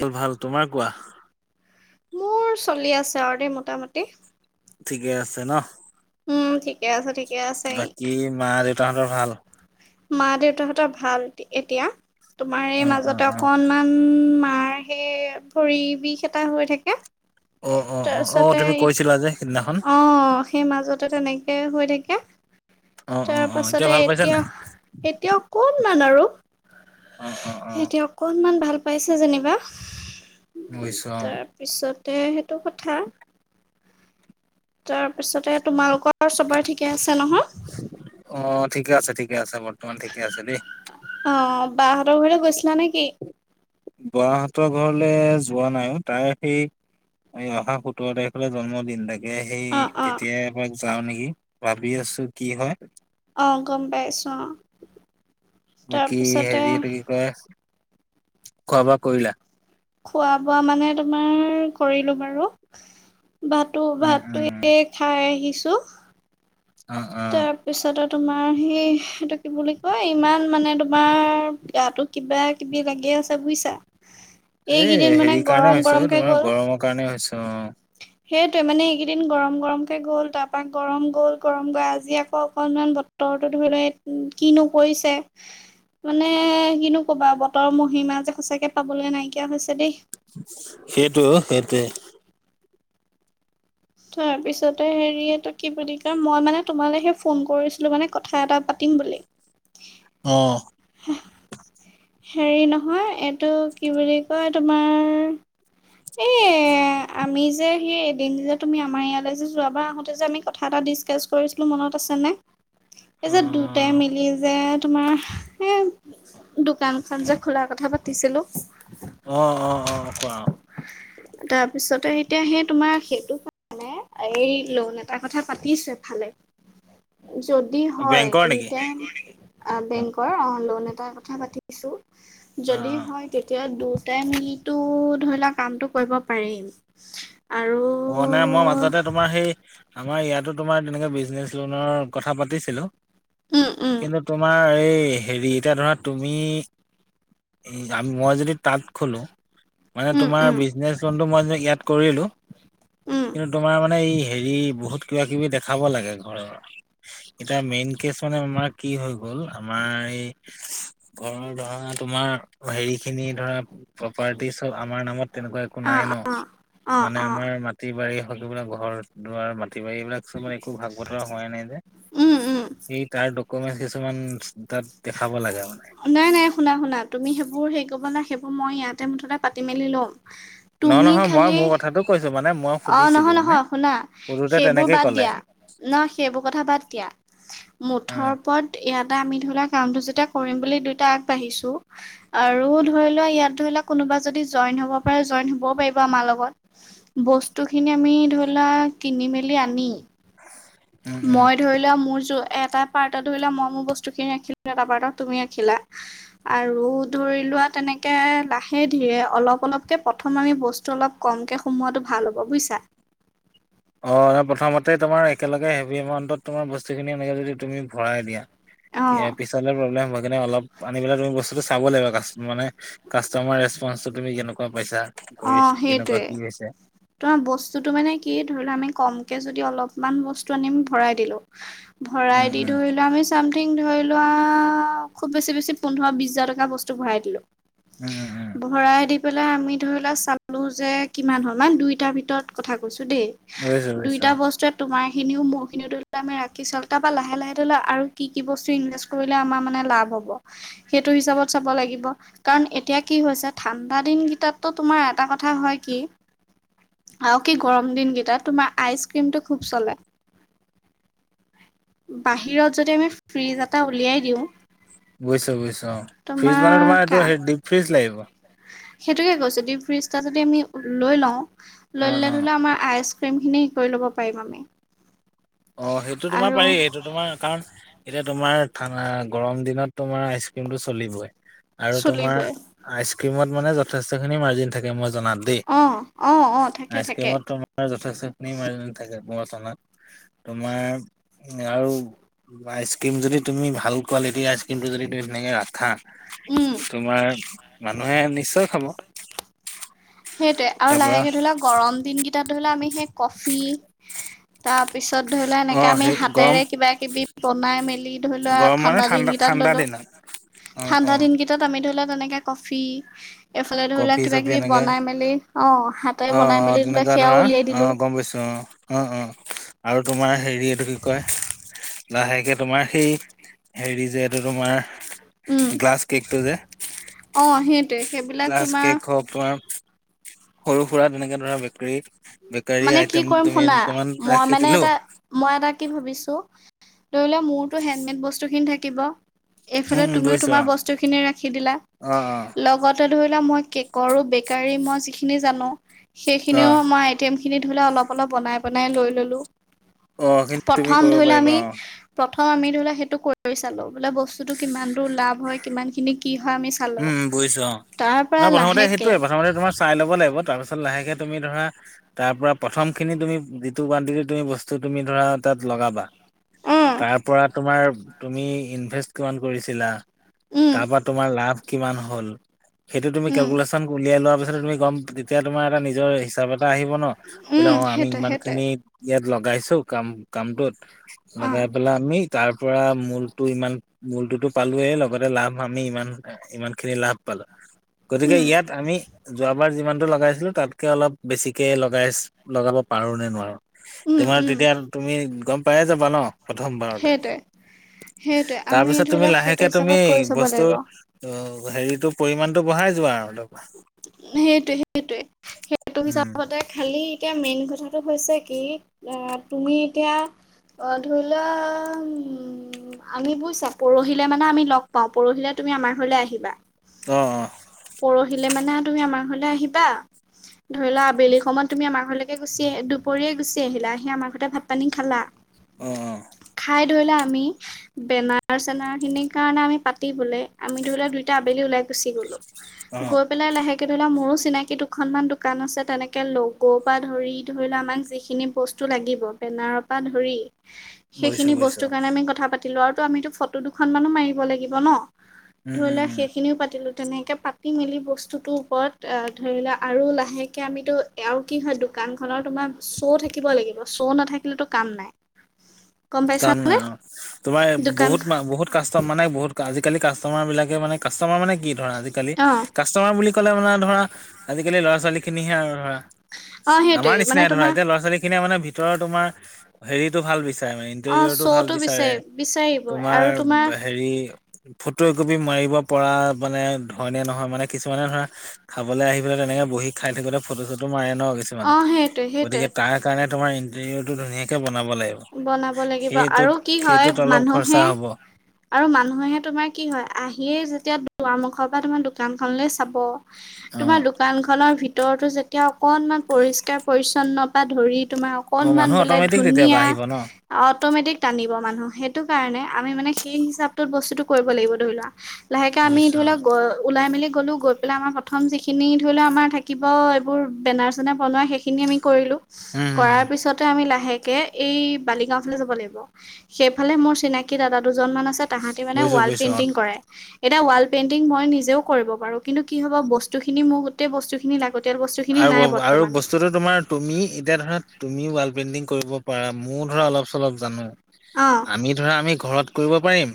তোৰ ভাল। তোমাৰ কোৱা? মোৰ চলি আছে আৰু দেই মোটামুটি। ঠিকে আছে ন'? উম, ঠিকে আছে ঠিকে আছে। কি মা দেউতাহঁতৰ ভাল? মা দেউতাহঁতৰ ভাল এতিয়া। তোমাৰ এই অ অ মাজতে অ অকনমান মাৰ সে ভৰি বিষ এটা হৈ থাকে। অ অ অ অ তাৰপিছতে, তুমি কৈছিলা যে সিদিনাখন অ'। সেই মাজতে তেনেকে হৈ থাকে, অ অ অ এতিয়া তাৰপাছতে ভাল পাইছা নাই এতিয়া অকনমান আৰু। অ', অ'। অ সিহঁতি অকণমান ভাল পাইছে যেনিবা। বুজিছোঁ অ'। পিছতে সেইটো কথা। তাৰপিছতে তোমালোকৰ চবৰে ঠিকে আছে নহয়? অ' ঠিকে আছে ঠিকে আছে, বৰ্তমান ঠিকে আছে দেই। অ' বাহঁতৰ ঘৰলে গৈছিলা নেকি? বহঁতৰ ঘৰলে যোৱা নাই অ'। তাই সেই এই অহা সোতৰ তাৰখলে জন্মদিন তাইৰ। এ, সেই অ', অ'। তেতিয়া এপাক যাওঁ নেকি, ভাবি আছোঁ কি হয়। অ' গ'ম পাইছোঁ অ'। তাৰপিছতে গৈ আছোঁ। খোৱা বোৱা কৰিলা? খোৱা বোৱা মানে তোমাৰ কৰিলোঁ বাৰু। ভাতো উম ভাতটো উম এ, খাই আহিছোঁ। অ', অ'। পিছতে তোমাৰ সি সেইটো কি বুলি কয় ইমান মানে তোমাৰ গাটো কিবা কিবি লাগে আছে বুজিছা? এই এইকেইদিন মানে হেৰি কাৰণে গৰম হৈছে অ, গৰমকে তোমাৰ গ'ল। গৰমৰ কাৰণে হৈছে অ সেইটোৱে মানে এইকেইদিন গৰম গৰমকে গ'ল, তাৰপা গৰম গ'ল গৰম গৈ আ আজি আকৌ অকণমান বতৰটো ধৰি লোৱা কিনো কৰিছে। মানে কিনো ক'বা বতৰৰ মহিমা যে সঁচাকে পাবলৈ নাইকিয়া হৈছে দেই। সেইটো অ' সেইটোৱে। তাৰপিছতে হেৰি এইটো কি বুলি কয় মই মানে তোমালৈহে ফোন কৰিছিলোঁ মানে কথা এটা পাতিম বুলি অঁ হ হেৰি নহয় এইটো কি বুলি কয় তোমাৰ এই আমি যে সেই এদিন যে তুমি আমাৰ ইয়ালৈ যে যোৱাবাৰ আহুতে যে আমি কথা এটা ডিচকাচ কৰিছিলো মনত আছেনে এই যে দুটাই মিলি যে তোমাৰ এ দোকান খন যে খোলাৰ কথা পাতিছিলো অ অ অ কোৱা তাৰপিছতে এতিয়া সেই তোমাৰ সেইটো কাৰানে এই লোন এটা কথা পাতিছো এফালে যদি হয় বেংকৰ নেকি দুইতাই বেংকৰ লোন এটা কথা পাতিছো অ যদি হয় তেতিয়া দুটাই মিলিতো ধৰি লোৱা কামটো কৰিব পাৰিম আৰু কৰুনাই মই মাজতে তোমাৰ সেই আমাৰ ইয়াতো তোমাৰ তেনেকে বিজনেছ লোনৰ কথা পাতিছিলো উম, উম, কিন্তু তোমাৰ এই হেৰি এতিয়া ধৰা তুমি মই যদি তাত খোলো মানে উম, তোমাৰ বিজনেচ লোনটো মই ইয়াত কৰিলো উ কিন্তু তোমাৰ মানে এই হেৰি বহুত কিবা কিবি দেখাব লাগে ঘৰৰ এতিয়া মেইন কেচ মানে আমাৰ কি হৈ গ'ল আমাৰ এই ঘৰৰ ধৰা তোমাৰ হেৰি খিনি ধৰা প্ৰপাৰ্টি চব আমাৰ নামত তেনেকুৱা নাই অ', ন অ', অ', মানে অ'। আমাৰ মাটি বাৰী হওক এইবিলাক ঘৰ দুৱাৰ মাটি বাৰী এইবিলাক চব একো ভাগ বতৰা হোৱাই নাই যে উম উম। সেই তাৰ ডকুমেন্ট কিছুমান তাত দেখাব লাগে মানে নাই নাই শুনা শুনা তুমি সেইবোৰ হেৰি কৰিব না সেইবোৰ মই ইয়াতে মুঠতে পাতি মেলি লম ন তুমি নহয় মই খালি মোৰ কথাটো কৈছো মানে মই অ সুধিছিলো নহয় মানে নহয় শুনা সুধোতে সেইবোৰ তেনেকে বাদ ক'লে দিয়া ন সেইবোৰ কথা বাদ দিয়া অ মুঠৰ ওপৰত ইয়াতে আমি ধৰিলোৱা কামটো যেতিয়া কৰিম বুলি দুইটা আগবাঢ়িছো আৰু ধৰি লোৱা ইয়াত ধৰি লোৱা কোনোবা যদি জইন হব পাৰে জইন হবও পাৰিব আমাৰ লগত বস্তুখিনি আমি ধৰি লোৱা কিনি মেলি আনি উম উম মই ধৰি লোৱা মোৰ য এটা এটা পাৰ্টত ধৰিলো মোৰ বস্ত খিনি এটা পাৰ্ট তুমি ৰাখিলা আৰু ধৰি লোৱা তেনেকে লাহে ধীৰে অলপ অলপকে প্ৰথম আমি বস্তু অলপ কমকে সোমোৱাাটো ভাল হ'ব বুজিছা অঁ ন প্ৰথমতেই তোমাৰ একেলগে হেভি এমাউণ্টত তোমাৰ বস্তুখিনি এনেকৈ যদি তুমি ভৰাই দিয়া অ', পিছলে প্ৰব্লেম হয় কিনে অলপ আনি পেলাই তুমি বস্তুটো চাব লাগিব কা মানে কাষ্টমাৰ ৰেচপন্ঞ্চটো তুমি কেনেকুৱা পাইছা কৰি কেনেকুৱা কি হৈছে তো বস্তুতটো মানে কি ধৰি লোৱা আমি কমকে যদি অলপমান বস্তু আনিম ভৰাই দিলো উম ভৰাই দি উম ধৰিলো আমি চামথিং ধৰি লোৱা খুব বেছি বেছি পোন্ধৰ বিশ হাজাৰ টকা বস্তু ভৰাই দিলো উম উম উম ভৰাই দি পেলাই আমি ধৰি লওক চালোঁ যে কিমান হল আমাৰ দুইটাৰ ভিতৰত কথা কৈছোঁ দেই বুজিছো বুজিছো দুইটা বস্তুত তোমাৰ খিনিও মোৰ খিনি আমি ৰাখি চাওঁ তাৰপৰা লাহে লাহে ধলে আৰু কি কি বস্তু ইনভে কৰিলে আমাৰ মানে লাভ হব সেইটো হিচাপত চাব লাগিব কাৰণ এতিয়া কি হৈছে ঠাণ্ডা দিনকেইটাততো তোমাৰ এটা কথা হয় কি আৰু কি গৰম দিন কেইটাত তুমাৰ আইচ ক্ৰ্ৰীমটো খুব চলো বাহিৰত যদি আমি ফ্ৰিজ এটা উলিয়াই দিওঁ বুইিছ বুজিছো অ ফ্ৰিজ মানে তোমাৰ এইটো হে ফ্ৰিজ লাগিব সেইটোকে কৈছছে যদি ব্ৰিজটা যদি আমি লৈ লওঁ লৈ ললে অ ধৰিলে আমাৰ আই ফ্ৰেম খিনি কৰি ল'ব পাৰিম আমি অ সেইটো তোমাৰ আৰু পাৰেই সেইটো তোমাৰ কাৰণ এতিয়া তোমাৰা গৰম দিনত তোমাৰ আইচ ক্ৰীমটো চলিবই আৰু তোমাৰ চলিবই আইচ ক্ৰীমত মানে যথেষ্টখিনি মাৰ্জিন থাকে মই জনাতো দেই অ', অ', অ', থাকে আইচ থাকে ক্ৰীমত তোমাৰ যথেষ্টখিনি মাৰ থাকে ব নাত তোমাৰ উ আৰু বা আইচক্ৰীম য তুমিাল কোৱালিটিৰ আইচক্ৰীমটো য তুমি সেনেকে ৰাখা উম। তোমাৰ মানুহে নিশ্চয় খাব সেইটোৱে আৰু তাৰপৰা লাহেকে ধৰি লোৱা গৰম দিনকেইটাত ধৰি লোৱা আমি সেই কফি তাৰ পিছত ধৰি লোৱা অ এনেকে আমি সেই গৰম হাতেৰে কিবা কিবি বনাই মেলি ধৰি লোৱা গৰম মানে ঠাণ্ডা দিন কেইটাত ঠাণ্ডা ললো অ অ ত আমি ধৰি লোৱা তেনেকে কফি এইফালে ধৰি লোৱা কফি কিবা চফি কিবি এনেকে বনাই মেলি অ হাতে বনাই মেলি ধোলে সেয়াও উলিয়াই দিলো কম বৈছোঁ অ অ আৰু তোমাৰ হেৰি এইটো কি কয় লাহেকে তোমাৰ সেই হেৰি যে এইটো তোমাৰ উম গ্লাছ কেকটো যে অ সেইটোৱে সেইবিলাক ক্লাছ তোমাৰ কেক হওক তোমাৰ সৰু সুৰা তেনেকে ধৰা বেকী বেকাৰী মানে কি আইটেম কৰিম তুমি শুনা দুটামান মই ৰাখি মানে দিলো এটা মই এটা কি ভাবিছো ধৰি লোৱা মোৰতো হেণ্ডমেড বস্তু খিনি থাকিব উম এইফালে উম তুমিও বুজিছো তোমাৰ অ বস্তুখিনি ৰাখি দিলা অ লগত তাতে ধৰি লোৱা মই কেকৰো বেকাৰী মই যিখিনি জানো অ অ সেইখিনিও মই ম খিনি ধৰিলে অলপ অলপ বনাই বনাই লৈ ললো অ কিন্তু তুমি প্ৰথম কৰিব ধৰি ল পাৰিবা আমি অ প্ৰথম আমি ধৰি ললে সেইটো কৰি চালো বোলে বস্তুতটো কিমান দূৰ লাভ হয় কিমান খিনি কি হয় আমি চালো উম বুজিছো অ তাৰ পৰা তোমাৰ প্ৰথমতে লাহেকে সেইটোয়ে প্ৰথমতে তোমাৰ চাই ল'ব লাগিব তাৰপিছত লাহেকে তুমি ধৰা তাৰ পৰা প্ৰথম খিনি তুমি যিটো কানটিি তুমি বস্তু তুমি ধৰা তাত লগাবা উম তাৰ পৰা তোমাৰ তুমি ইনভেষ্ট কিমান কৰিছিলা উম তাৰ পৰা তোমাৰ লাভ কিমান হ'ল সেইটো তুমি উম কেলক উলিয়াই লোৱাৰ পিছত তুমি গ'ম তেতিয়া তোমাৰ এটা নিজৰ হিচাপ এটা আহিব ন বোলে উম অ আমি সেইটোৱে ইমান সেইটোৱে খিনি ইয়াত লগাইছো কাম কামটোত অ লগাই পেলাই আমি তাৰ পৰা মূলতটো ইমান মূলটোতো পালোৱয়েই লগতে লাভ আমি ইমান ইমান খিনি লাভ পালো গতিকে উম ইয়াত আমি যোৱাবাৰ যিমানতটো লগাইছিলো তাতকে অলপ বেছিকে লগাই লগাব পাৰো নে নোৱাৰো উম তোমাৰ উম তেতিয়া তুমি গম পায়ে যাবা ন প্ৰথমবাৰতে সেইটোৱে সেইটোৱে আমি তাৰপিছত ধৰি তুমি লওক সেইটো লাহেকে তুমি হিচাপত কৰি চাব বস্তু লাগিব ত হেৰিটো পৰিমাণতটো বঢ়াই যোৱা আৰু তাৰপৰা সেইটোোৱে সেইটোৱে সেইটো উম হিচাপতে খালি এতিয়া মেইন কথাটো হৈছে কি তুমি এতিয়া অ ধৰি লা উ আমি বুজিছা পৰহিলে মানে আমি লগ পাও পৰহিলে তুমি আমাৰ হলে আহিবা অ পৰহিলে মানে তুমি আমাৰ ঘৰলৈ আহিবা ধৰি লোৱা আবেলি সময়ত তুমি আমাৰ ঘৰলৈকে গুচি আহ দুপৰীয়য়ে গুচি আহিলা আহি আমাৰ ঘৰতে ভাত পানী খালা অ খাই ধৰিলে আমি বেনাৰ চেনাৰখিনিৰ কাৰণে আমি পাতিবলে আমি ধৰি লোৱা দুইটা আবেলি ওলাই গুচি গলো। অ অ গৈ পেলাই লাহে ধৰি লোৱা মোৰো চিনাকি দুখনমান দোকান আছে তেনেকে লগ' বা ধৰি ধৰি লোৱা আমাক যিখিনি বস্তু লাগিব বেনাৰৰ পৰা ধৰি। বুজিছো সেইখিনি বুজিছো বস্তু কাৰণে আমি কথা পাতিলো আৰু আমিতো ফটো দুখন মানো মাৰিব লাগিব ন উম ধৰি উম লোৱা উম সেইখিনিও পাতিলো। তেনেকে পাতি মেলি বস্তুটো ওপৰত ধৰি লোৱা আৰু লাহেকে আমিতো আৰু কি হয় দোকানখনৰ তোমাৰ শ' থাকিব লাগিব শ্ব' নাথাকিলেতো কাম নাই। গম পাইছা কাম নে? নাই অ' তোমাৰ দোকান বহুত মা বহুত কাষ্টম মানে বহুতজাল কাষ্টমাৰবিলাকে মানে কাষ্টাৰ মান কি ধৰা আজিকালি অ কাষ্টমাৰ বুলি ক'লে মানে ধৰা আজিকালি ল'ৰা ছোৱালীখিনিহে আৰু অ সেইটোৱে আমাৰ মানে নিচিনাই ধৰা তোমাৰ এতিয়া ল'ৰা ছোৱালীখিনিয়ে মানে ভিতৰৰ তোমাৰ হেৰিতটো ভাল বিচাৰে মানে। অ কেৰিয়ৰটো ভাল শ্ব'টো বিচাৰে বিচাৰি বিচাৰিব তোমাৰ আৰু হেৰি ফটো একপি মাৰিব পৰা মানে ধৰণে নহয়। মানে কিছুমানে ধৰা খাবলৈ আহি পেলাই তেনেকে বহি খাই থাকোতে ফটো চটো মাৰে ন অ কিছুমানে। সেইটোৱে গতিকে সেইটোৱে তাক সেইকাৰণে তোমাৰ ইণ্টেৰিয়ৰটো ধুনীয়াকৈ বনাব লাগিব। বনাব লাগিব সেইটোত আৰু কি হয় সেইটোত অলপ মানুহে খৰচা হ'ব আৰু মানুহে তোমাৰ কি হয় আহিয়ে যেতিয়া দুৱাৰমুখৰ পৰা তোমাৰ দোকানখনলৈ চাব। অ', তোমাৰ দোকানখনৰ ভিতৰ ভিতৰতো যেতিয়া অকণমান পৰিষ্কাৰ পৰিছন্নতা ধৰি তোমাৰ অ', অকণমান মানুহ বোলে অট'মেটিক তেতিয়া ধুনীয়া। আহিব ন? অটমেটিক টানিব মানুহ সেইটো কাৰণে আমি মানে সেই হিচাপটোত বস্তুটো কৰিব লাগিব ধৰি লোৱা। লাহেকৈ আমি বুজিছোঁ ধৰি অ'। লওঁক গ ওলাই মেলি গ'লোঁ গৈ পেলাই আমাৰ প্ৰথম যিখিনি ধৰি লওক আমাৰ থাকিব এইবোৰ বেনাৰ চেনাৰ বনোৱা সেই খিনি আমি কৰিলো উম, হুম, কৰাৰ হুম, পিছতে আমি লাহেকে এই বালিগাওঁ ফালে যাব লাগিব। সেইফালে মোৰ চিনাক কি দাদা দুজন মান আছে তাহাঁতি মানে বুজিছোঁ ৱাল বুজিছোঁ অ'। পেইণ্টিং কৰে। এটা ৱাল পেইণ্টিং মই নিজেও কৰিব পাৰো। কিন্তু কি হ'ব বস্তুখিনি মোৰ গোটেই বস্তুখিনি লাগ গোটেই বস্তুখিনি আৰু নাই আৰু বৰ্তমান। বস্তুটো তোমাৰ তুমি এতিয়া ধৰা তুমি ৱাল পেইণ্টিং কৰিব পাৰা মইও ধৰা অলপ চলপ জানো। অ', আমি ধৰা আমি ঘৰত কৰিব পাৰিম।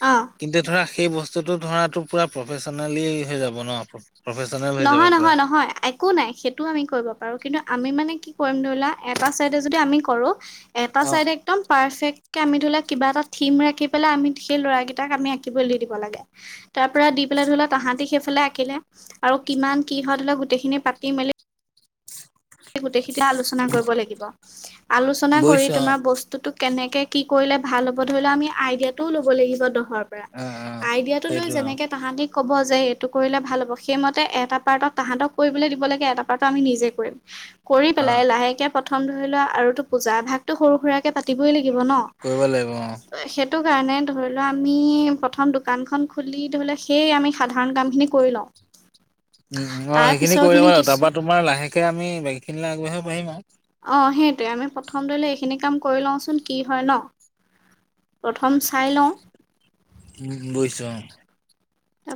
অ'। কিন্তু ধৰা সেই বস্তুটো ধৰাটো পূৰা প্ৰফেচনেলি হে যাব ন। প্ৰফেচনেল হৈ যাব নহয়, পুৰা। নহয়, নহয়। একো নাই সেইটোও আমি কৰিব পাৰো। কিন্তু আমি মানে কি কৰিম ধৰিলোৱা এটা চাইডে যদি আমি কৰো। এটা অ', চাইডে একদম পাৰফেক্টকে আমি ধৰি লোৱা কিবা এটা থিম ৰাখি পেলাই আমি সেই ল'ৰাকেইটাক আমি আঁকিবলৈ দি দিব লাগে। তাৰ পৰা দি পেলাই ধৰি লওঁ তাহাঁতি সেইফালে আঁকিলে আৰু কিমান কি হয় ধৰি লওঁ গোটেইখিনি পাতি মেলি গোটেইখেই আলোচনা কৰিব লাগিব। আলোচনা কৰি বুজিছোঁ অ', তোমাৰ বস্তু তোটো কেনেকে কি কৰিলে ভাল হ'ব ধৰি লওঁ আমি আইডিয়াটোও ল'ব লাগিব দহৰ পৰা। অ', অ', আইডিয়াটো লৈ সেইটোৱে অ', যেনেকে তাহতি ক'ব যে এইটো কৰিলে ভাল হ'ব সেইমতে এটা পাৰ্টত তাহাঁতক কৰিবলৈ দিব লাগে এটা পাৰ্টত আমি নিজে কৰিম। কৰি অ', পেলাই লাহেকে প্ৰথম ধৰি লোৱা আৰুতো পূজা এভাগতটো সৰু সুৰাক কে পাতিবয়ে লাগিব ন। কৰিব লাগিব অ'। সেই সেইটো কাৰণে ধৰি লোৱা আমি প্ৰথম দোকানখন খুলি ধৰি লওঁ সেই আমি সাধাৰণ কামখিনি কৰি লওঁ। উম, অ' তাৰ সেইখিনি পিছৰ কৰি ল'ব খিনি লাগিব। কিছু তাৰপৰা তোমাৰ লাহেকে আমি বাকীখিনিলে আগবাঢ়িব পাৰিম আৰু। অ', সেইটোৱে। আমি প্ৰথম ধৰিলোৱা এইখিনি কাম কৰি লওঁচোন কি হয় ন। প্ৰথম চাই লওঁ। উম, বুজিছো অ'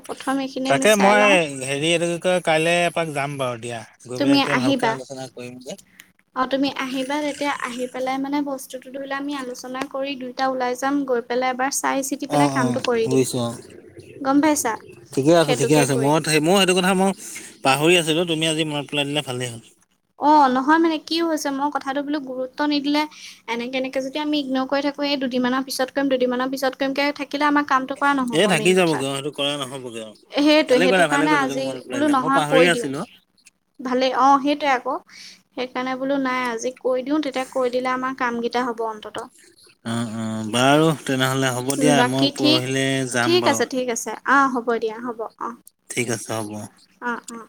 প্ৰথম এইখিনি আমি তাকে চাই মই লওঁ হেৰি এইটো কয় কাইলৈ এপাক যাম বাৰু দিয়া গৈ তুমি পেলাই তেতিয়া আহিবা ভালকৈ আলোচনা কৰিমগে। অ' তুমি আহিবা তেতিয়া আহি পেলাই মানে বস্তুটো ধৰিলে আমি আলোচনা কৰি এটা ওলাই যাম গৈ পেলাই এবাৰ চাই চ আহ অ' বইছো আহ। গম পাইছা ঠিকে আছে ঠিকে সেইটোকে আছে মই কৰিম সেই মই সেইটো কথা মই পাহৰি আছিলোঁ তুমি আজি মন পেলাই দিলে ভালেই হ'ল। অ' নহয় মানে কি হৈছে মই কথাটো বোলো গুৰুত্ব নিদিলে এনেকে এনেকে যদি আমি ইগননৰ কৰি থাকো এই দুদিনমানৰ পিছত কৰিম দুদিনমানৰ পিছত কৰিম কে থাকিলে আম কামটো এ নহব থাকি মেইন কথা যাবগে অ সেইটো কৰা নহ'বগে অ সেইটোৱে ভালে কৰিলা সেইটো ভালে কাৰণে কৰিলা তুমি আজি মনত পেলাই বোলো দিলা মই নহয় পাহৰিয়ে কৈ দিওঁ। আছিলো ভালেই অ' সেইটোৱে আকৌ সেইকাৰণে বোলো নাই আজি কৈ দিওঁ তেতিয়া কৈ দিলে আমাৰ কামকেইটা হ'ব অন্ততঃ। উম, উম, বাৰু তেনেহলে হ'ব দিয়া বাকী মই ঠিক পৰহিলে ঠিক যাম আছে বাৰু। ঠিক আছে অ, হ'ব দিয়া হ'ব অ,। ঠিক আছে হ'ব। অ', অ'।